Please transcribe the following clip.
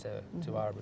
dan itu semua